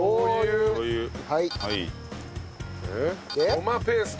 ごまペースト。